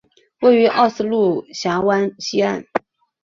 位于奥斯陆峡湾西岸。